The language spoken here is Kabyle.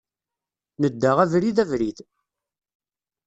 Nedda abrid, abrid.